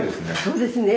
そうですね。